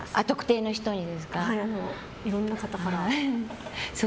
いろんな方から。